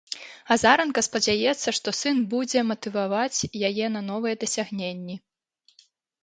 Азаранка спадзяецца, што сын будзе матываваць яе на новыя дасягненні.